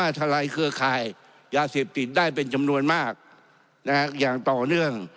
ติดได้เป็นจำนวนมากอย่างต่อเนื่อง